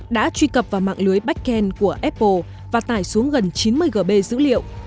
đã truy cập vào mạng lưới bkcain của apple và tải xuống gần chín mươi gb dữ liệu